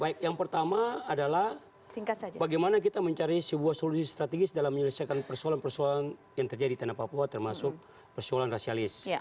baik yang pertama adalah bagaimana kita mencari sebuah solusi strategis dalam menyelesaikan persoalan persoalan yang terjadi di tanah papua termasuk persoalan rasialis